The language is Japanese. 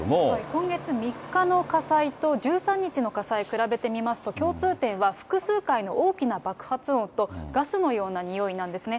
今月３日の火災と１３日の火災比べてみますと、共通点は複数回の大きな爆発音と、ガスのような臭いなんですね。